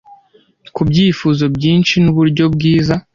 kubyifuzo byinshi nuburyo bwiza